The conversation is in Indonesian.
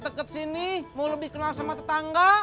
dekat sini mau lebih kenal sama tetangga